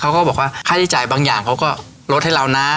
เขาก็บอกว่าค่าใช้จ่ายบางอย่างเขาก็ลดให้เรานะ